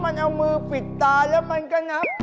มันเอามือปิดตาแล้วมันก็งับ